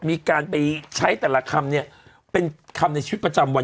มีการไปใช้แต่ละคำเนี่ยเป็นคำในชีวิตประจำวัน